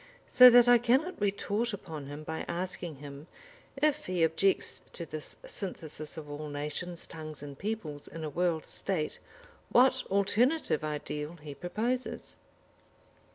So that I cannot retort upon him by asking him, if he objects to this synthesis of all nations, tongues and peoples in a World State, what alternative ideal he proposes.